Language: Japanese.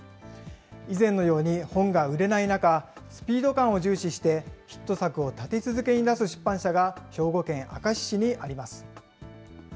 以前のように本が売れない中、スピード感を重視して、ヒット作を立て続けに出す出版社が兵庫県明石市にあります。